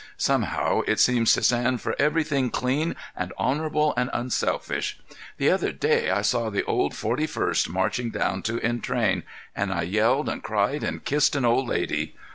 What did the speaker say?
Somehow, it seems to stand for everything clean and honorable and unselfish. The other day I saw the old Forty first marching down to entrain, and I yelled and cried and kissed an old lady.